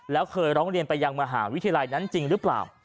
แล้วเคยร้องเรียนไปยังมหาวิทยาลัยนั้นจริงหรือเปล่า